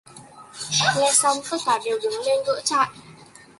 Nghe xong tất cả đều đứng lên gỡ trại